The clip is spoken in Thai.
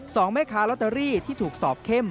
สองแม่ค้าลอตเตอรี่ที่ถูกสอบเข้ม